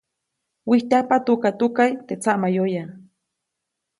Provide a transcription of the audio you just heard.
Wijtyajpa tukatukaʼy teʼ tsaʼmayoya.